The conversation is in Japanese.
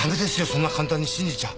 そんな簡単に信じちゃ。